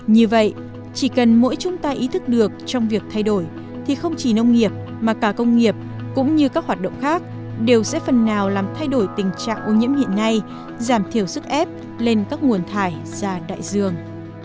như vậy chỉ cần mỗi chúng ta ý thức được trong việc thay đổi thì không chỉ nông nghiệp mà cả công nghiệp cũng như các hoạt động khác đều sẽ phần nào làm thay đổi tình trạng ô nhiễm hiện nay giảm thiểu sức ép lên các nguồn thải ra đại dương